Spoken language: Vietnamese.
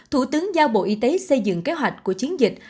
thủ tướng giao bộ y tế xây dựng kế hoạch của chiến dịch